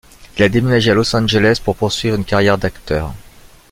Il a déménagé à Los Angeles pour poursuivre une carrière d'acteur.